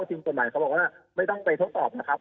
ทีมกฎหมายเขาบอกว่าไม่ต้องไปทดสอบนะครับ